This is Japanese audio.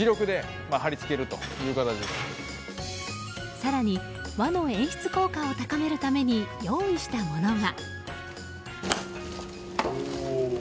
更に、和の演出効果を高めるために用意したものが。